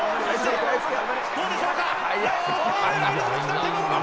どうでしょうか！